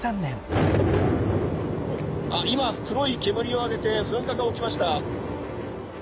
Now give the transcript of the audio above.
あっ今黒い煙を上げて噴火が起きました。